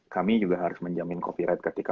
kami juga harus menjamin copyright ketika